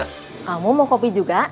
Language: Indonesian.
kamu mau kopi juga